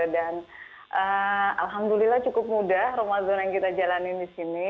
dan alhamdulillah cukup mudah ramadan yang kita jalani di sini